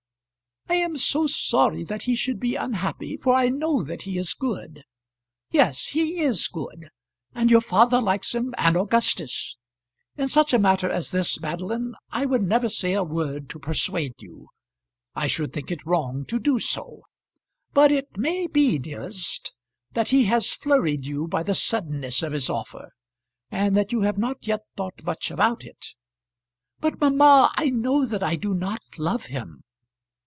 "I am so sorry that he should be unhappy, for I know that he is good." "Yes, he is good; and your father likes him, and Augustus. In such a matter as this, Madeline, I would never say a word to persuade you. I should think it wrong to do so. But it may be, dearest, that he has flurried you by the suddenness of his offer; and that you have not yet thought much about it." "But, mamma, I know that I do not love him."